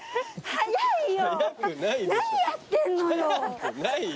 早いよ。